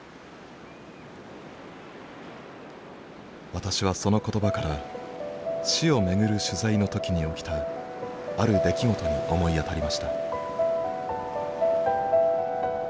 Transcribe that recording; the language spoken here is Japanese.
私はその言葉から死を巡る取材の時に起きたある出来事に思い当たりました。